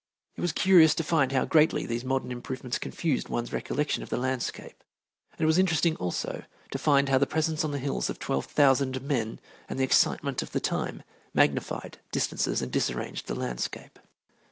It was curious to find how greatly these modern improvements confused one's recollection of the landscape, and it was interesting, also, to find how the presence on the hills of 12,000 men and the excitement of the time magnified distances and disarranged the landscape.